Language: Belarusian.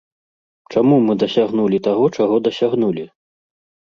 Чаму мы дасягнулі таго, чаго дасягнулі?